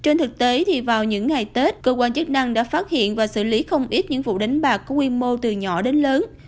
trên thực tế thì vào những ngày tết cơ quan chức năng đã phát hiện và xử lý không ít những vụ đánh bạc có quy mô từ nhỏ đến lớn